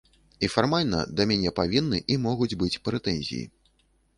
І фармальна да мяне павінны і могуць быць прэтэнзіі.